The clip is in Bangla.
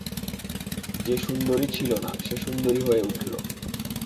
যে সুন্দরী ছিল না সে সুন্দরী হয়ে উঠল।